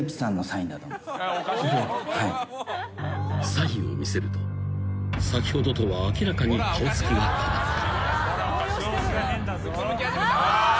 ［サインを見せると先ほどとは明らかに顔つきが変わった］